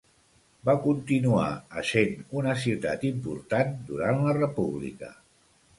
Va continuar essent una ciutat important durant la República.